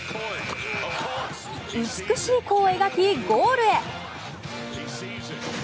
美しい弧を描きゴールへ。